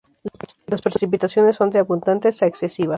Las precipitaciones son de abundantes a excesivas.